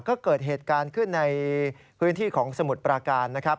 ก็เกิดเหตุการณ์ขึ้นในพื้นที่ของสมุทรปราการนะครับ